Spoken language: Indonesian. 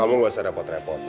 kamu gak usah repot repot